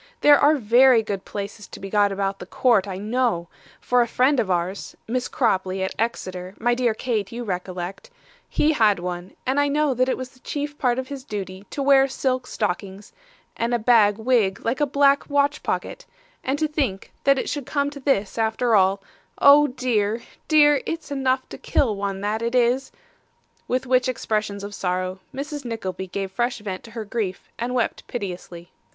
There are very good places to be got about the court, I know; for a friend of ours (Miss Cropley, at Exeter, my dear Kate, you recollect), he had one, and I know that it was the chief part of his duty to wear silk stockings, and a bag wig like a black watch pocket; and to think that it should come to this after all oh, dear, dear, it's enough to kill one, that it is!' With which expressions of sorrow, Mrs. Nickleby gave fresh vent to her grief, and wept piteously.